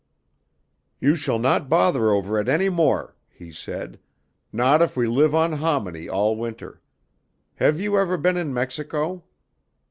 "You shall not bother over it any more," he said, "not if we live on hominy all winter. Have you ever been in Mexico?